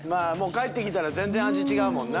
帰ってきたら味違うもんな。